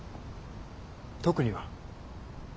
特には。